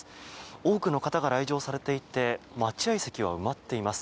多くの方が来場されていて待合席は埋まっています。